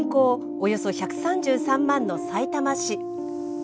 およそ１３３万のさいたま市。